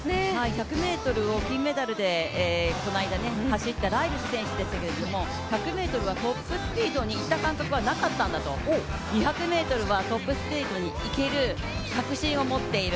１００ｍを金メダルで、この間走ったライルズ選手でしたけれども１００ｍはトップスピードにいった感覚はなかったんだと２００ｍはトップスピードにいける確信を持っている。